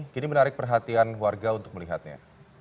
kini menarik perhatian warga untuk melihatnya